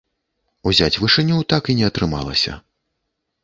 Узяць вышыню так і не атрымалася.